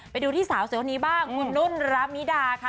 ไปดูที่สาวเสียวนี้บ้างหนุ่นรมนีดาค่ะ